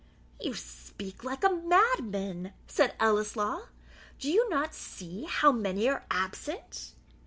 "You speak like a madman," said Ellieslaw; "do you not see how many are absent?"